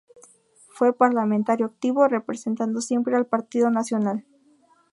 Fue parlamentario activo, representando siempre al Partido Nacional.